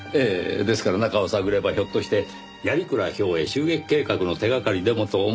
ですから中を探ればひょっとして鑓鞍兵衛襲撃計画の手掛かりでもと思ったのですが。